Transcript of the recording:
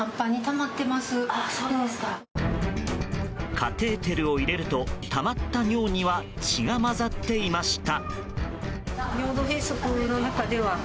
カテーテルを入れるとたまった尿には血が混ざっていました。